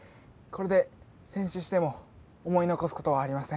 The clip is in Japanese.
これで戦死しても思い残すことはありません。